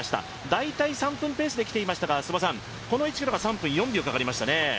大体３分ペースで来ていましたが、ここの１ｋｍが３分４秒かかりました。